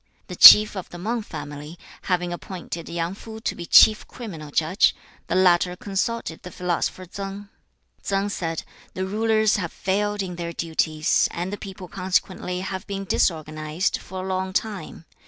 The chief of the Mang family having appointed Yang Fu to be chief criminal judge, the latter consulted the philosopher Tsang. Tsang said, 'The rulers have failed in their duties, and the people consequently have been disorganised, for a long time.